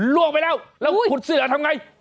ล่วงไปแล้วแล้วขุดเสื้อทำไง